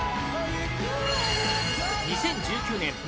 ２０１９年